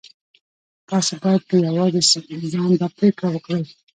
تاسې بايد په يوازې ځان دا پرېکړه وکړئ.